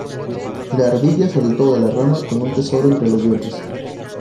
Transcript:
La ardilla salto de la rama con un tesoro entre los dientes